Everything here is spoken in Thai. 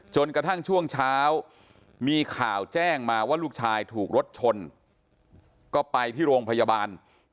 จนกระทั่งช่วงเช้ามีข่าวแจ้งมาว่าลูกชายถูกรถชนก็ไปที่โรงพยาบาล